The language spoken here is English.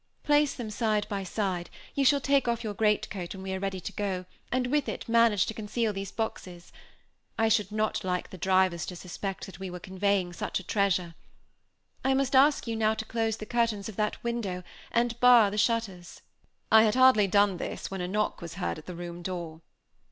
Place them side by side; you shall take off your greatcoat when we are ready to go, and with it manage to conceal these boxes. I should not like the drivers to suspect that we were conveying such a treasure. I must ask you now to close the curtains of that window, and bar the shutters." I had hardly done this when a knock was heard at the room door.